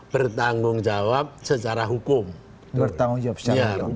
bertanggung jawab secara hukum bertanggung jawab secara hukum